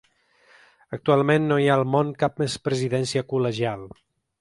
Actualment no hi ha al món cap més presidència col·legial.